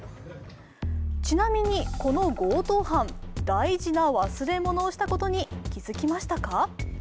ちなみにこの強盗犯、大事な忘れ物をしたことに気づきましたか？